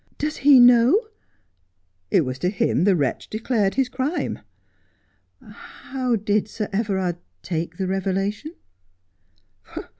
' Does he know 1 '' It was to him the wretch declared his crime.' ' How did Sir Everard take the revelation